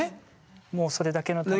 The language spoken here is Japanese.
もうそれだけのために。